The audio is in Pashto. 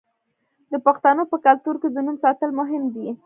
د پښتنو په کلتور کې د نوم ساتل مهم دي.